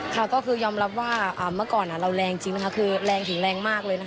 ค่ะก็คือยอมรับว่าเมื่อก่อนเราแรงจริงนะคะคือแรงถึงแรงมากเลยนะคะ